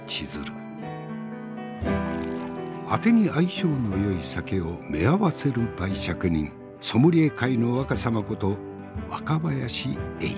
あてに相性のよい酒をめあわせる媒酌人ソムリエ界の若さまこと若林英司。